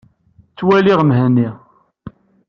Ttwaliɣ Mhenni.